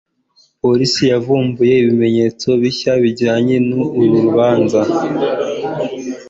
polisi yavumbuye ibimenyetso bishya bijyanye n'uru rubanza